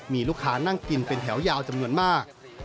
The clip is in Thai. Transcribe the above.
มีลูกค้านั่งกินเป็นแถวยาวจำนวนมาก